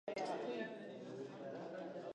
غازیان د خپل دین په ملاتړ جګړه کوي.